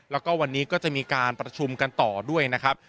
แล้วก็วันนี้ก็จะมีการประชุมกันต่อด้วยนะครับ